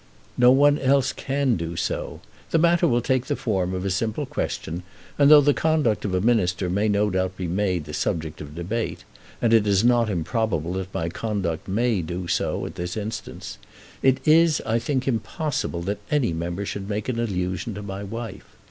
"No one else can do so. The matter will take the form of a simple question, and though the conduct of a minister may no doubt be made the subject of debate, and it is not improbable that my conduct may do so in this instance, it is, I think, impossible that any member should make an allusion to my wife.